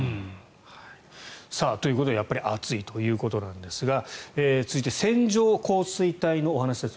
ということでやっぱり暑いということなんですが続いて、線状降水帯のお話です。